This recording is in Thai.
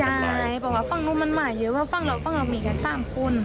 ใช่บอกว่าฝั่งนู้นมันมาเยอะว่าฝั่งเราฟังเรามีกัน๓คน